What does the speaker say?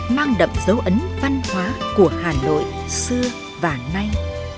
mang đậm dấu ấn văn hóa của hà nội xưa và nay